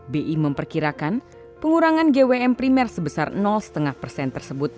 bi memperkirakan pengurangan gwm primer sebesar setengah persen tersebut